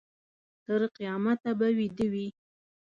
تر قیامته به ویده وي.